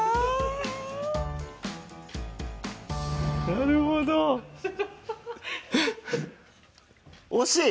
なるほど惜しい！